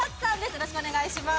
よろしくお願いします